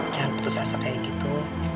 jangan putus asa kayak gitu